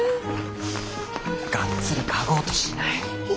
がっつり嗅ごうとしない。